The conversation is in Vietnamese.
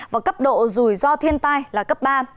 và cấp độ rủi ro thiên tai là cấp ba